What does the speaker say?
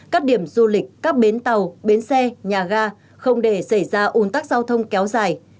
các điểm du lịch các bến tàu bến xe nhà ga không để xảy ra ủn tắc giao thông kéo dài